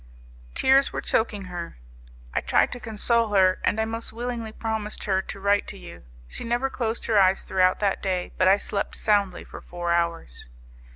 "Tears were choking her. I tried to console her, and I most willingly promised her to write to you. She never closed her eyes throughout that day, but I slept soundly for four hours.